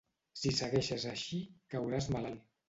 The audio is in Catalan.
Si segueixes així, cauràs malalt.